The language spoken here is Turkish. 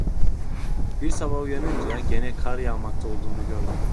Bir sabah uyanınca gene kar yağmakta olduğunu gördüm.